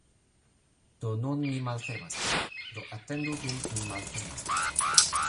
Do nun mi malfermas ĝin, do atendu dum mi malfermas ĝin.